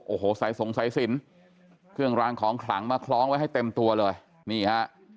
โอ้โหสายสงสัยสินเครื่องรางของขลังมาคล้องไว้ให้เต็มตัวเลยนี่ฮะ